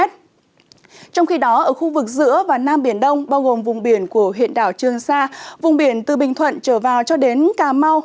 trong khi đó ở khu vực giữa và nam biển đông bao gồm vùng biển của huyện đảo trương sa vùng biển từ bình thuận trở vào cho đến cà mau